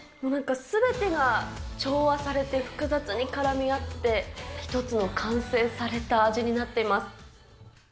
なんかすべてが調和されて、複雑に絡み合って、一つの完成された味になっています。